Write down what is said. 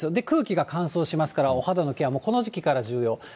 空気が乾燥しますから、お肌のケアもこの時期から重要。